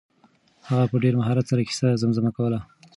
هغه په ډېر مهارت سره کیسه زمزمه کوله.